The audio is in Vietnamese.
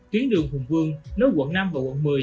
tuyến đường hùng vương nối quận năm và quận một mươi